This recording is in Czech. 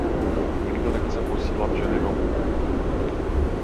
Nikdo nechce posílat ženy domů.